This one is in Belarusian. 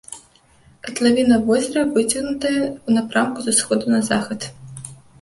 Катлавіна возера выцягнутая ў напрамку з усходу на захад.